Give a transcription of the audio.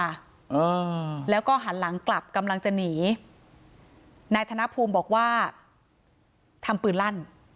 อ่าแล้วก็หันหลังกลับกำลังจะหนีนายธนภูมิบอกว่าทำปืนลั่น